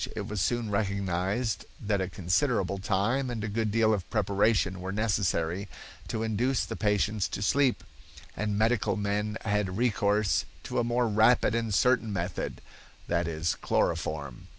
It was soon recognized that a considerable time and a good deal of preparation were necessary to induce the patients to sleep, and medical men had recourse to a more rapid and certain method; that is, chloroform.